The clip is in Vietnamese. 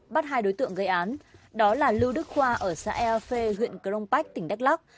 bắt hai đối tượng gây án đó là lưu đức khoa ở xã ea phê huyện cronpac tỉnh đắk lắk